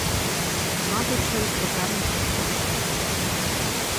Мабуть, через пекарню проскочила.